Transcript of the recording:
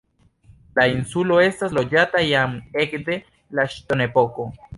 La insulo estas loĝata jam ekde la ŝtonepoko.